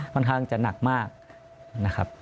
ค่อนข้างจะหนักมากนะครับ